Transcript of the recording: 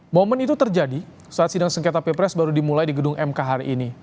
momen itu terjadi saat sidang sengketa pilpres baru dimulai di gedung mk hari ini